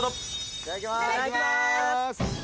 ・いただきます！